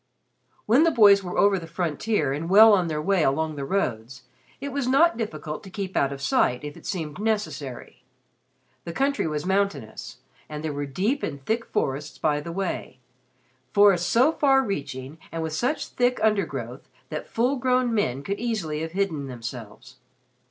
When the boys were over the frontier and well on their way along the roads, it was not difficult to keep out of sight if it seemed necessary. The country was mountainous and there were deep and thick forests by the way forests so far reaching and with such thick undergrowth that full grown men could easily have hidden themselves.